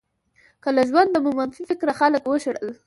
که له ژونده مو منفي فکره خلک وشړل.